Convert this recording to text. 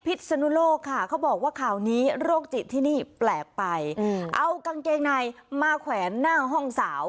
สนุโลกค่ะเขาบอกว่าข่าวนี้โรคจิตที่นี่แปลกไปเอากางเกงในมาแขวนหน้าห้องสาว